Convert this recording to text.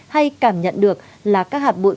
hay cảm nhận được là các hạt bụi